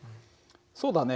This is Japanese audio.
そうだね。